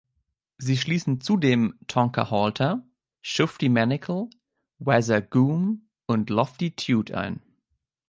Sie schließen zudem "Tonker" Halter, "Shufti" Manickle, "Wazzer" Goom und "Lofty" Tewt ein.